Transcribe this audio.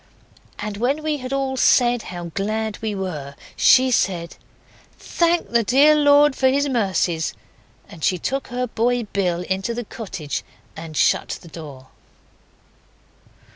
And when we had all said how glad we were, she said 'Thank the dear Lord for His mercies,' and she took her boy Bill into the cottage and shut the door.